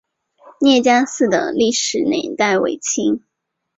聂家寺的历史年代为清。